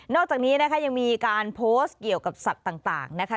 อกจากนี้นะคะยังมีการโพสต์เกี่ยวกับสัตว์ต่างนะคะ